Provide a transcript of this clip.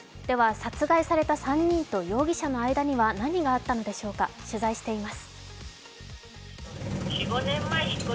殺害された３人と容疑者の間には何があったのでしょうか、取材しています。